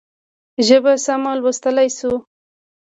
ژبه سمه ولوستلای شو.